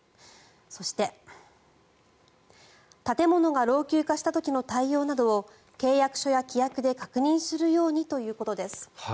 そして、建物が老朽化した時の対応などを契約書や規約で確認するようにということです。